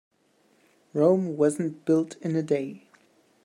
Rome wasn't built in a day.